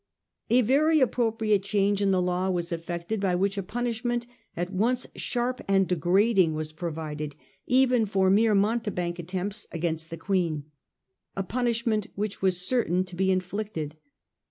A very appropriate change in the law was effected by which a punishment at once sharp and degrading was provided even for mere mountebank attempts against the Queen ; a punish ment which was certain to be inflicted.